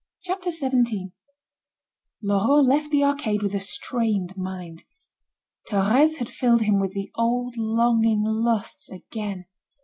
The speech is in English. CHAPTER XVII Laurent left the arcade with a strained mind. Thérèse had filled him with the old longing lusts again.